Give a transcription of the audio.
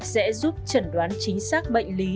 sẽ giúp chẩn đoán chính xác bệnh lý